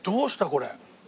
これ。